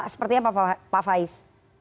sepertinya pak faiz